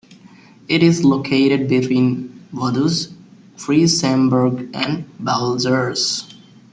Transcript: It is located between Vaduz, Triesenberg and Balzers.